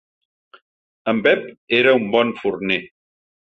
En Bep era un bon forner